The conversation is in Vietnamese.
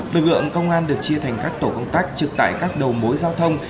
lực lượng công an được chia thành các tổ công tác trực tại các đầu mối giao thông